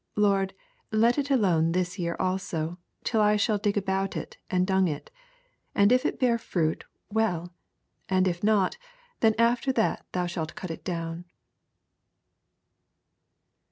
Lord, let it alone this yuar also, till I shall di^ about it, and dung it : 9 And if it bear fruit, weU : and if not, then after tha^ thou shalt cut it down.